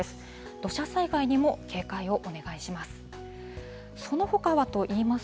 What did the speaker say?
土砂災害にも警戒をお願いします。